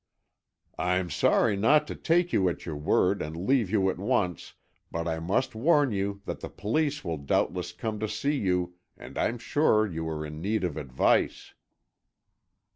"I'm sorry not to take you at your word, and leave you at once, but I must warn you that the police will doubtless come to see you, and I'm sure you are in need of advice."